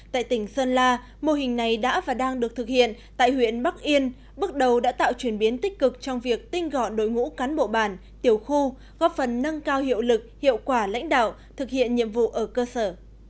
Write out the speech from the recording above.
tại tỉnh sơn la mô hình này đã và đang được thực hiện tại huyện bắc yên bước đầu đã tạo chuyển biến tích cực trong việc tinh gọn đội ngũ cán bộ bản tiểu khu góp phần nâng cao hiệu lực hiệu quả lãnh đạo thực hiện nhiệm vụ ở cơ sở